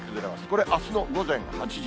これ、あすの午前８時。